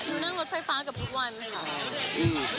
หนูนั่งรถไฟฟ้าประมาณแบบทุกวันค่ะ